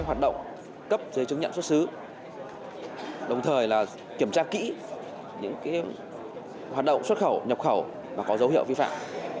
hoạt động cấp giấy chứng nhận xuất xứ đồng thời kiểm tra kỹ những hoạt động xuất khẩu nhập khẩu và có dấu hiệu vi phạm